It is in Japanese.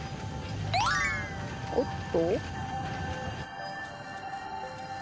おっと？